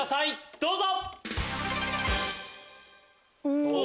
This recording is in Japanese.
どうぞ！